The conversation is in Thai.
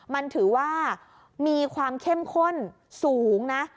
มันถือว่ามีความเข้มข้นสูงนะ